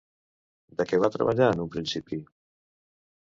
De què va treballar en un principi?